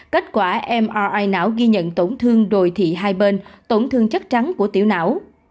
kết quả mri não ghi nhận tổn thương đồi thị hai bên tổn thương chất trắng của tiểu não